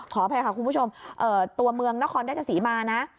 ขออภัยค่ะคุณผู้ชมตัวเมืองนครราชสีมานะ